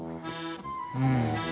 うん。